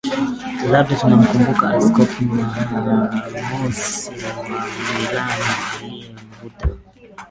Labda tunamkumbuka Askofu Ambrosi wa Milano aliyemvuta